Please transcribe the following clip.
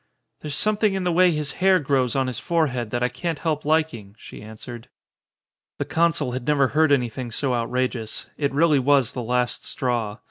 "There's something in the way his hair grows on his forehead that I can't help liking," she an swered. The consul had never heard anything so out rageous. It really was the last straw.